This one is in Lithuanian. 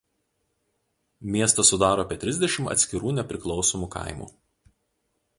Miestą sudaro apie trisdešimt atskirų nepriklausomų kaimų.